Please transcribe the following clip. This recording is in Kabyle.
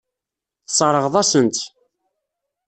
Tesseṛɣeḍ-asen-tt.